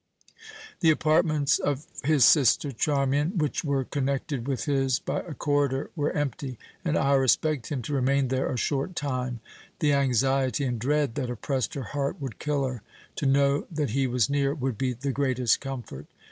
The apartments of his sister Charmian, which were connected with his by a corridor, were empty, and Iras begged him to remain there a short time. The anxiety and dread that oppressed her heart would kill her. To know that he was near would be the greatest comfort.